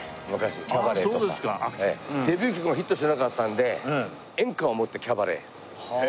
デビュー曲もヒットしなかったんで演歌を持ってキャバレーへ。